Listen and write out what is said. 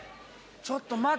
ちょっと待って。